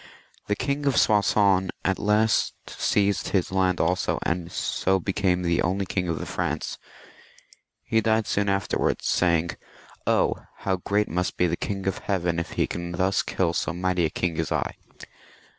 The King of Soissons at last seized his land also, and so became the only king of the Franks. He died soon after, saying, " Oh ! how great must be the King of Heaven, if He can thus kill so mighty a king as I."